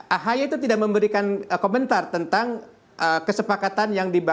ahy itu tidak memberikan komentar tentang kesepakatan yang diberikan